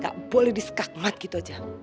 gak boleh disekakmat gitu aja